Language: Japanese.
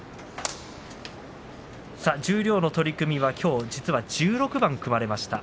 十両の取組はきょう、１６番組まれました。